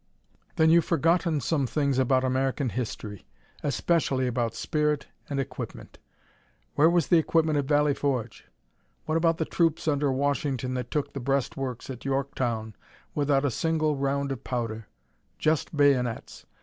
"Then you've forgotten some things about American history, especially about spirit and equipment. Where was the equipment at Valley Forge? What about the troops under Washington that took the breastworks at Yorktown without a single round of powder just bayonets?